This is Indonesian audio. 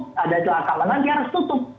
kalau ada celah keamanan dia harus tutup